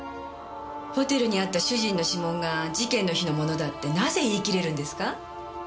ホテルにあった主人の指紋が事件の日のものだってなぜ言い切れるんですか？